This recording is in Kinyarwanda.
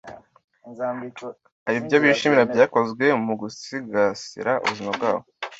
hari ibyo bishimira byakozwe mu gusigasira ubuzima bwabo